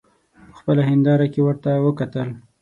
په خپله هینداره کې ورته وکتل.